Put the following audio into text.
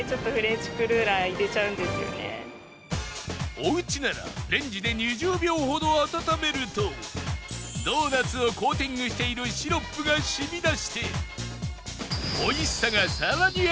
おうちならレンジで２０秒ほど温めるとドーナツをコーティングしているシロップが染み出して